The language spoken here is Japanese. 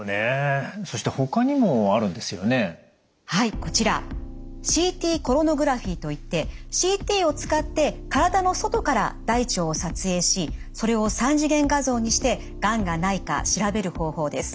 こちらＣＴコロノグラフィーといってＣＴを使って体の外から大腸を撮影しそれを３次元画像にしてがんがないか調べる方法です。